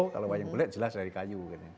kalau wayang belek jelas dari kayu